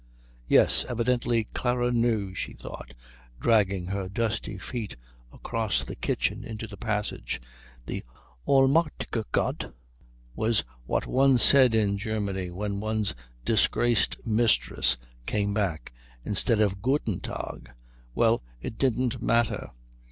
Yes, evidently Klara knew, she thought, dragging her dusty feet across the kitchen into the passage, and allmächtiger Gott was what one said in Germany when one's disgraced mistress came back, instead of guten Tag. Well, it didn't matter.